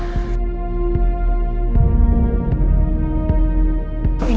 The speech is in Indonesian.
bapak mau minum